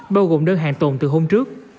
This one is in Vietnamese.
bao gồm đơn hàng tồn từ hôm trước